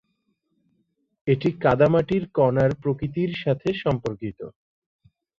এটি কাদামাটির কণার প্রকৃতির সাথে সম্পর্কিত।